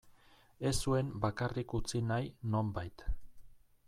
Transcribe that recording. Ez zuen bakarrik utzi nahi, nonbait.